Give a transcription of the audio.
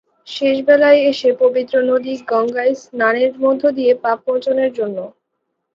শেষ বেলায় এসে পবিত্র নদী গঙ্গায় স্নানের মধ্য দিয়ে পাপমোচনের জন্য।